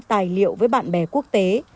tài liệu với bạn bè quốc tế